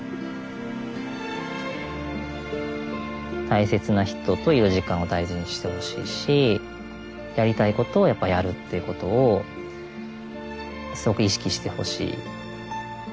大切な人といる時間を大事にしてほしいしやりたいことをやっぱやるっていうことをすごく意識してほしい。